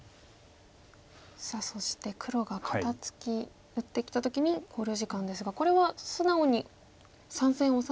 さあそして黒が肩ツキ打ってきた時に考慮時間ですがこれは素直に３線オサエとかだと。